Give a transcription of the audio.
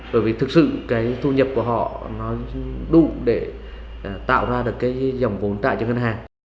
bởi vì thực sự cái thu nhập của họ nó đủ để tạo ra được cái dòng vốn trại cho ngân hàng